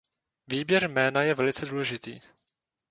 Výběr jména je velice důležitý.